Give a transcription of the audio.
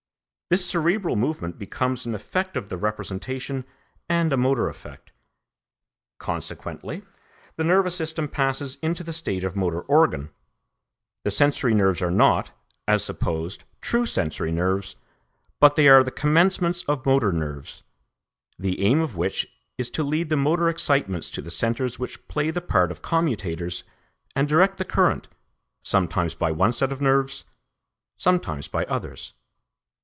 This cerebral movement becomes an effect of the representation and a motor effect. Consequently the nervous system passes into the state of motor organ: the sensory nerves are not, as supposed, true sensory nerves, but they are the commencements of motor nerves, the aim of which is to lead the motor excitements to the centres which play the part of commutators and direct the current, sometimes by one set of nerves, sometimes by others.